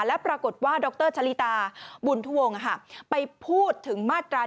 แล้วปรากฏว่าดรชะลิตาบุญทวงศ์ไปพูดถึงมาตรา๑